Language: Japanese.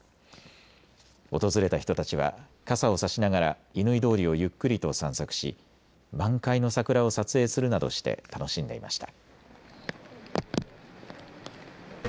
訪れた人たちは傘を差しながら乾通りをゆっくりと散策し満開の桜を撮影するなどして楽しんでいました。